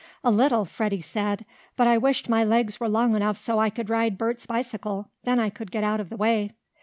"A little," Freddie said. "But I wished my legs were long enough so I could ride Bert's bicycle. Then I could get out of the way."